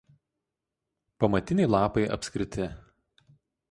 Pamatiniai lapai apskriti.